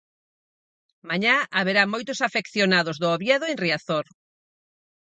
Mañá haberá moitos afeccionados do Oviedo en Riazor.